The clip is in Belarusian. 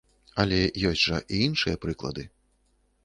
Але ёсць жа і іншыя прыклады.